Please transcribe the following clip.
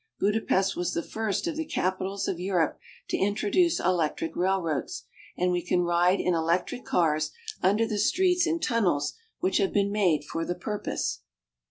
Budapest was the first of the capitals of Europe to introduce electric railroads, and we can ride in electric cars under the streets in tunnels which have been made for the purpose.